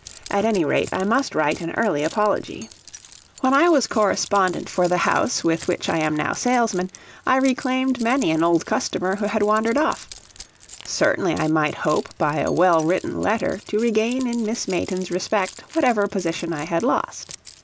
At any rate, I must write an early apology. When I was correspondent for the house with which I am now salesman I reclaimed many an old customer who had wandered off certainly I might hope by a well written letter to regain in Miss Mayton's respect whatever position I had lost.